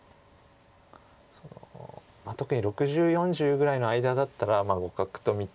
特に６０４０ぐらいの間だったらまあ互角と見て。